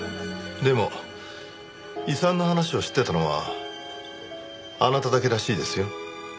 でも遺産の話を知ってたのはあなただけらしいですよ。